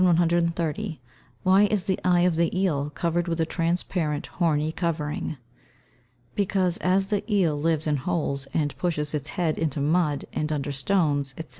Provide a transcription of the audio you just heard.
Why is the eye of the eel covered with a transparent horny covering? Because, as the eel lives in holes, and pushes its head into mud, and under stones, &c.